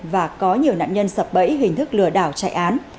và có nhiều nạn nhân sập bẫy hình thức lừa đảo chạy án